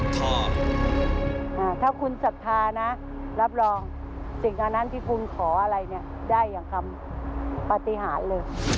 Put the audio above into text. ถ้าคุณศรัทธานะรับรองสิ่งอันนั้นที่คุณขออะไรเนี่ยได้อย่างคำปฏิหารเลย